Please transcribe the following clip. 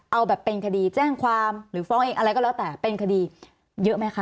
เอาแบบเป็นคดีแจ้งความหรือฟ้องเองอะไรก็แล้วแต่เป็นคดีเยอะไหมคะ